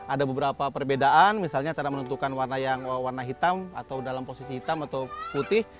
ada beberapa perbedaan misalnya cara menentukan warna yang warna hitam atau dalam posisi hitam atau putih